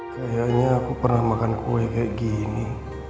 kayaknya aku pernah makan kue kayak gini